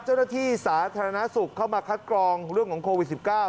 เจ้าหน้าที่สาธารณสุขเข้ามาคัดกรองเรื่องของโควิด๑๙